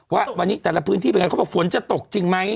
ว่าวันนี้แต่ละพื้นที่เป็นยังไงเขาบอกฝนจะตกจริงไหม